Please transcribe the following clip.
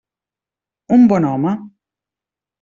Un bon home.